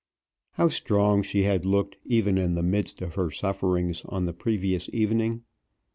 How strong she had looked, even in the midst of her sufferings, on the previous evening!